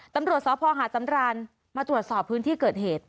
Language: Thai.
ตำรวจสพหาดสำรานมาตรวจสอบพื้นที่เกิดเหตุ